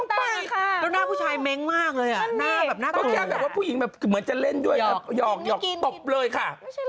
ไม่ต่อไม่ต่างนะค่ะแล้วหน้าผู้ชายเม้งมากเลยอ่ะ